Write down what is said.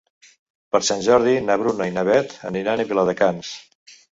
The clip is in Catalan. Per Sant Jordi na Bruna i na Beth aniran a Viladecans.